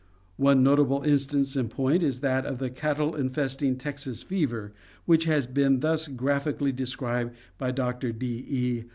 One notable instance in point is that of the cattle infesting Texas fever which has been thus graphically described by Doctor D. E.